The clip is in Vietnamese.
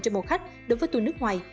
trên mùa khách đối với tu nước ngoài